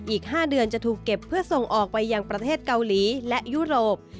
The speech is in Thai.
อีก๕เดือนจะถูกเก็บเพื่อส่งออกไปยังประเทศเกาหลีและยุโรป